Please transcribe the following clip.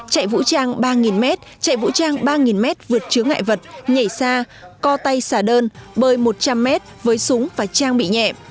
chạy vũ trang ba m chạy vũ trang ba m vượt chứa ngại vật nhảy xa co tay xả đơn bơi một trăm linh m với súng và trang bị nhẹ